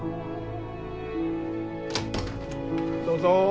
どうぞ。